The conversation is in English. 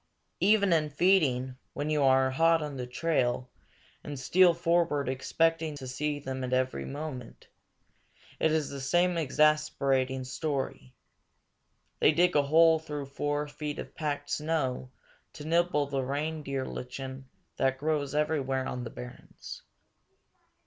Even in feeding, when you are hot on their trail and steal forward expecting to see them every moment, it is the same exasperating story. They dig a hole through four feet of packed snow to nibble the reindeer lichen that grows everywhere on the barrens.